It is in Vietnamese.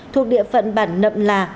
thuộc địa phận bản nậm là